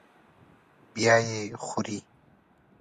بیا یې خوري.